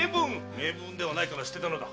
名文ではないから捨てたのだ。